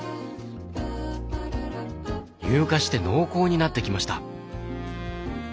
乳化して濃厚になってきました。